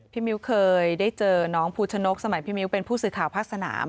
มิ้วเคยได้เจอน้องภูชนกสมัยพี่มิ้วเป็นผู้สื่อข่าวภาคสนาม